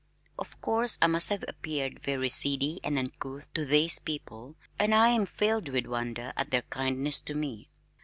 Of course I must have appeared very seedy and uncouth to these people and I am filled with wonder at their kindness to me.